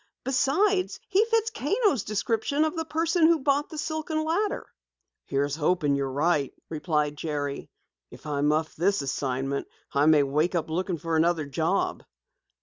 Besides, he fits Kano's description of the person who bought the silken ladder." "Here's hoping you're right," replied Jerry. "If I muff this assignment, I may wake up looking for another job."